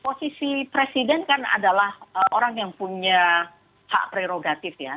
posisi presiden kan adalah orang yang punya hak prerogatif ya